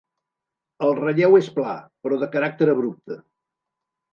El relleu és pla, però de caràcter abrupte.